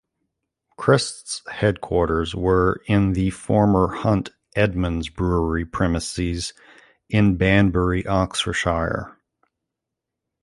Crest's headquarters were in the former Hunt Edmunds brewery premises in Banbury, Oxfordshire.